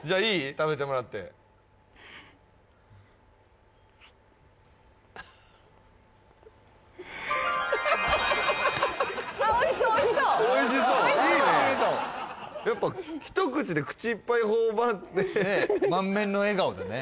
食べてもらってあっおいしそうおいしそうおいしそういいねやっぱ一口で口いっぱい頬張って満面の笑顔でね